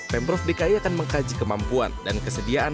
pemprov dki akan mengkaji kemampuan dan kesediaan